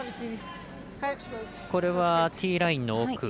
これはティーラインの奥。